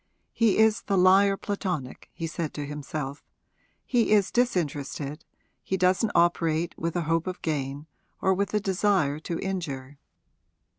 'He is the liar platonic,' he said to himself; 'he is disinterested, he doesn't operate with a hope of gain or with a desire to injure.